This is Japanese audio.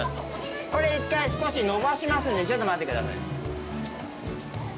これ１回少し伸ばしますんでちょっと待ってください。